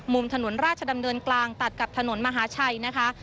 ถนนราชดำเนินกลางตัดกับถนนมหาชัยนะคะ